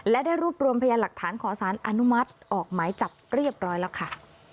และได้รวบรวมพยานหลักฐานขอสารอนุมัติออกหมายจับเรียบร้อยแล้วค่ะ